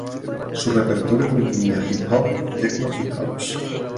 Su repertorio contenía hip hop, techno y house.